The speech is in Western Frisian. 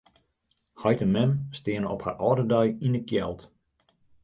Heit en mem steane op har âlde dei yn 'e kjeld.